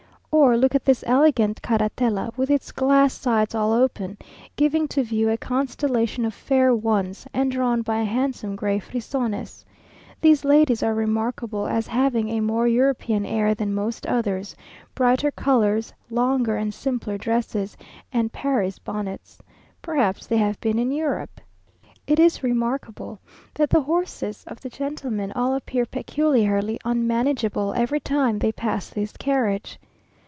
Or look at this elegant carratela, with its glass sides all open, giving to view a constellation of fair ones, and drawn by handsome gray frisones. These ladies are remarkable as having a more European air than most others, brighter colours, longer and simpler dresses, and Paris bonnets. Perhaps they have been in Europe. It is remarkable that the horses of the gentlemen all appear peculiarly unmanageable every time they pass this carriage.